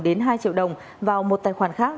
đến hai triệu đồng vào một tài khoản khác